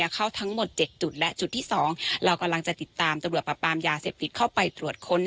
เข้าทั้งหมด๗จุดและจุดที่๒เรากำลังจะติดตามตำรวจประปามยาเสพติดเข้าไปตรวจค้น